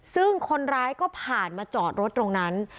ซึ่งคนร้ายก็ผ่านมาจอดรถตรงนั้น